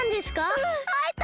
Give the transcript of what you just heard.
うんあえた！